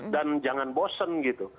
dan jangan bosen gitu